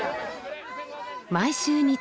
毎週日曜